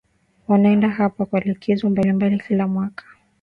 Wanaenda hapa kwa likizo mbalimbali kila mwaka